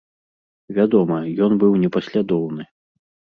Вядома, ён быў непаслядоўны.